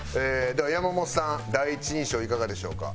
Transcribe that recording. では山本さん第一印象いかがでしょうか？